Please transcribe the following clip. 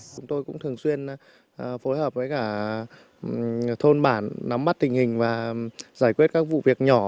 chúng tôi cũng thường xuyên phối hợp với cả thôn bản nắm mắt tình hình và giải quyết các vụ việc nhỏ